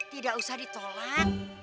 tidak usah ditolak